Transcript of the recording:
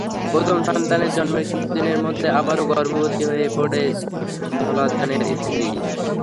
প্রথম সন্তানের জন্মের কিছুদিনের মধ্যেই আবারও গর্ভবতী হয়ে পড়ে ধলাচানের স্ত্রী।